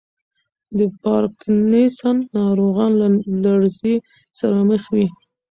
د پارکینسن ناروغان له لړزې سره مخ وي.